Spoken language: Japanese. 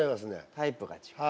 タイプが違う。